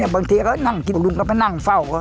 บางทีก็นั่งกินลุงก็มานั่งเฝ้า